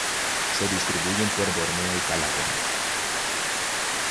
Se distribuyen por Borneo y Palawan.